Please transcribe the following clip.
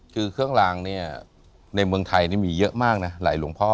คือเครื่องลางเนี่ยในเมืองไทยมีเยอะมากนะหลายหลวงพ่อ